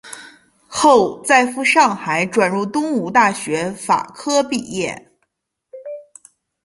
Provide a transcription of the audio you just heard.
后在赴上海转入东吴大学法科毕业。